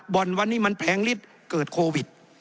บ่อนวันนี้มันแพงฤทธิ์เกิดโควิด